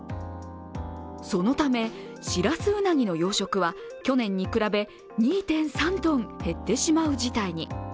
そのため、しらすうなぎの養殖は去年に比べ２．３ｔ減ってしまう事態に。